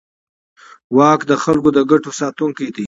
واک د خلکو د ګټو ساتونکی دی.